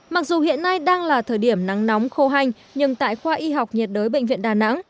mặc dù hiện nay đang là thời điểm nắng nóng khô hành nhưng tại khoa y học nhiệt đới bệnh viện đà nẵng